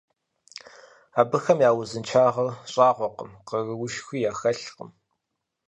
Абыхэм я узыншагъэр щӀагъуэкъым, къаруушхуи яхэлъкъым.